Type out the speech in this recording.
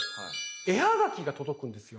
絵はがきが届くんですよ。